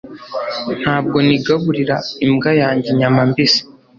Ntabwo nigaburira imbwa yanjye inyama mbisi